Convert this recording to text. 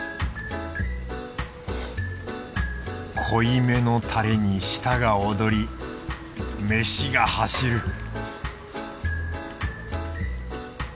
濃いめのタレに舌が踊り飯が走る